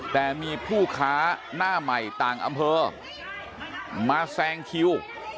แต่มีผู้ค้าหน้าใหม่ต่างอำเภอมาแซงคิว